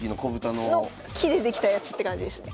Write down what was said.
の木で出来たやつって感じですね。